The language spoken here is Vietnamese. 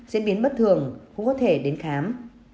diễn biến bất thường cũng có thể đến khám